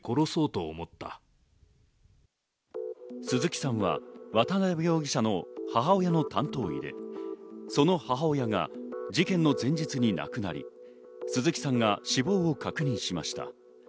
鈴木さんは渡辺容疑者の母親の担当医で、その母親が事件の前日に亡くなり、鈴木さんが死亡を確認しました。